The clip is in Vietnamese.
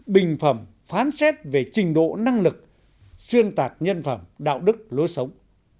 bình phẩm phán xét về trình độ năng lực xuyên tạc nhân phẩm đạo đức lối sống